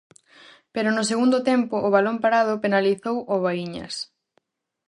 Pero no segundo tempo o balón parado penalizou ó Baíñas.